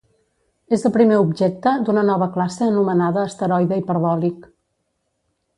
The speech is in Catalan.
És el primer objecte d'una nova classe anomenada asteroide hiperbòlic.